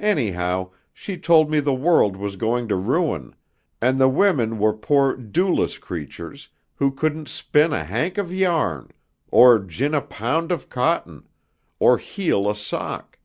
Anyhow, she told me the world was going to ruin, and the women were poor 'doless' creatures, who couldn't spin a hank of yarn, or gin a pound of cotton, or heel a sock.